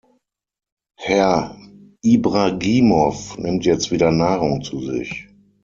Herr Ibragimow nimmt jetzt wieder Nahrung zu sich.